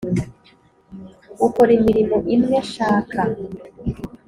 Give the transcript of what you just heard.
ukora imirimo imwe nshaka